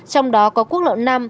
trong đó có quốc lộ năm